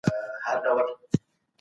لرغوني شاعران د پسرلي ستاینه کوي.